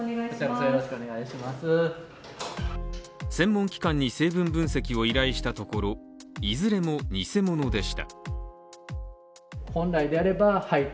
専門機関に成分分析を依頼したところいずれも偽物でした。